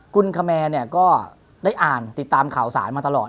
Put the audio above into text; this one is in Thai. กุนคมแมงก็ได้อ่านติดตามข่าวศาลมาตลอด